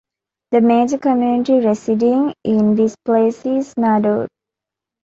The major community residing in this place is Nador.